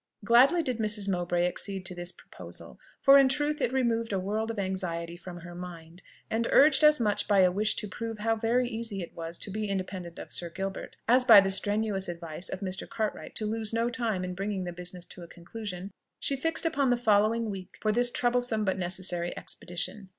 Gladly did Mrs. Mowbray accede to this proposal, for in truth it removed a world of anxiety from her mind; and urged as much by a wish to prove how very easy it was to be independent of Sir Gilbert, as by the strenuous advice of Mr. Cartwright to lose no time in bringing the business to a conclusion, she fixed upon the following week for this troublesome but necessary expedition.